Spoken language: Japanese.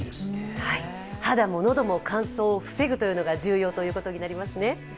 肌も喉も乾燥を防ぐというのが重要ということになりますね。